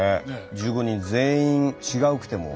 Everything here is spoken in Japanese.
１５人全員違うくても。